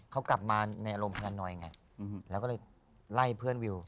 เขากลับมาในอารมณ์พละน้อยไงแล้วก็เลยไล่เพื่อนวิว